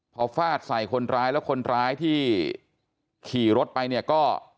พอฟาดใส่คนร้ายแล้วคนร้ายที่ขี่รถไปเนี่ยก็